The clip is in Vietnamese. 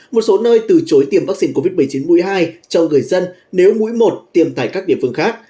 một số nơi từ chối tiêm vaccine covid một mươi chín mũi hai cho người dân nếu mũi một tiêm tại các địa phương khác